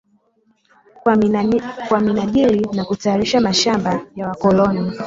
kwa minajili ya kutayarisha mashamba ya wakoloni